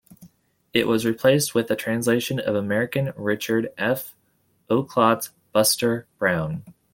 It was replaced with a translation of American Richard F. Outcault's "Buster Brown".